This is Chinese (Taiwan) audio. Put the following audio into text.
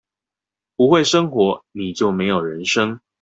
不會生活，你就沒有人生